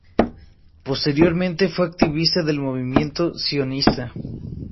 Posteriormente fue activista del movimiento sionista.